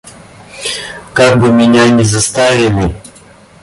Как бы меня не заставили.